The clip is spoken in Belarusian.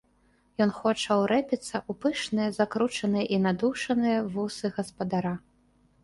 Ён хоча ўрэпіцца ў пышныя закручаныя і надушаныя вусы гаспадара.